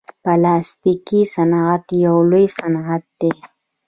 پلاستيکي صنعت یو لوی صنعت دی.